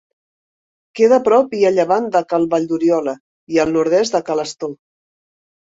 Queda a prop i a llevant de Cal Valldoriola i al nord-est de Ca l'Astor.